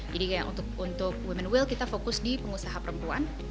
jadi kayak untuk women will kita fokus di pengusaha perempuan